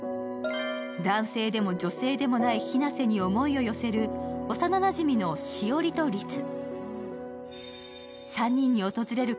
男性でも女性でもないひなせに思いを寄せる幼なじみのしおりとりつ。